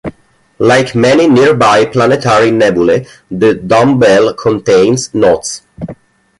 Like many nearby planetary nebulae, the Dumbbell contains knots.